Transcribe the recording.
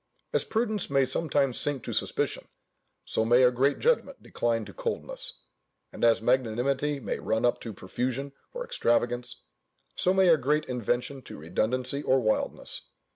As prudence may sometimes sink to suspicion, so may a great judgment decline to coldness; and as magnanimity may run up to profusion or extravagance, so may a great invention to redundancy or wildness.